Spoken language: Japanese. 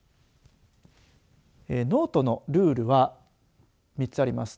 ノートのルールは３つあります。